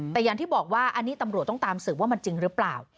แต่อย่างที่บอกว่าอันนี้ตำรวจต้องตามสืบว่ามันจริงหรือเปล่า